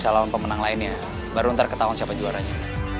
sampai jumpa di video selanjutnya